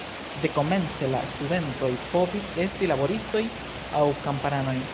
Dekomence la studentoj povis esti laboristoj aŭ kamparanoj.